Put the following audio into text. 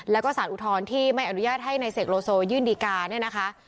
แล้วก็สารอุทธรณ์ที่ไม่อนุญาตให้นายเสกโลโซยื่นดีการเนี่ยนะคะ